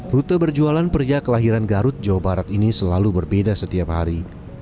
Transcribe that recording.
rute berjualan pria kelahiran garut jawa barat ini selalu berbeda setiap hari